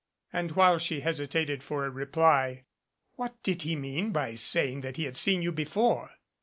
And while she hesitated for a reply. "What did he mean by saying that he had seen you before?"